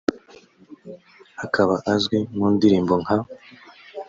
akaba azwi mu ndirimbo nka